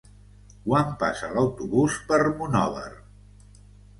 Quan passa l'autobús per Monòver?